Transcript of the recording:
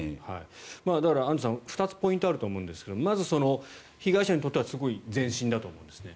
だから、アンジュさん２つポイントがあると思いますがまず、被害者にとってはすごい前進だと思うんですね。